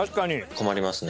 困りますね。